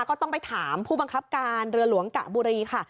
ก็ต้องไปถามผู้บังคับการเรือหลวงกะบุรีค่ะ